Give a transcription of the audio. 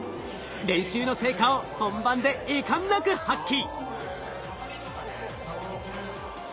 練習の成果を本番で遺憾なく発揮。